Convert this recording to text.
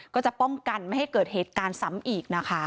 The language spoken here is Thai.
ก็จะป้องกันไม่ให้เกิดเหตุการณ์ซ้ำอีกนะคะ